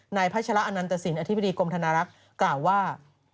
พัชระอนันตสินอธิบดีกรมธนารักษ์กล่าวว่า